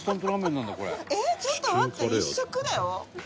えっちょっと待って１食だよ？